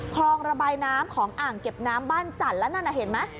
คลองระบายน้ำของอ่างเก็บน้ำบ้านจันทร์แล้วนั่นน่ะเห็นไหม